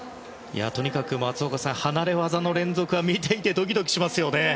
とにかく、松岡さん離れ技の連続は見ていてドキドキしますよね。